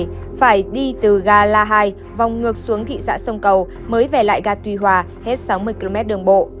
phải đi từ gà la hai vòng ngược xuống thị xã sông cầu mới về lại gà tuy hòa hết sáu mươi km đường bộ